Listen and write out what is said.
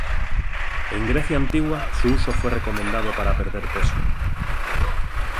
En Grecia antigua su uso fue recomendado para perder peso.